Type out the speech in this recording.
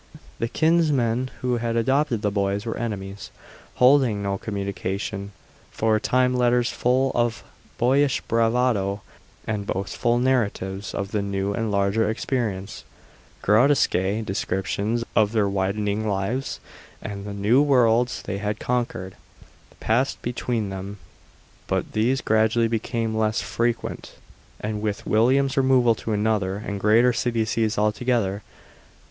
The kinsmen who had adopted the boys were enemies, holding no communication. For a time letters full of boyish bravado and boastful narratives of the new and larger experience grotesque descriptions of their widening lives and the new worlds they had conquered passed between them; but these gradually became less frequent, and with William's removal to another and greater city ceased altogether.